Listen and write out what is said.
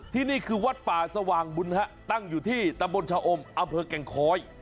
ที่นี่คือวัดป่าสว่างบุญฮะตั้งอยู่ที่ตำบลชะอมอำเภอแก่งคอย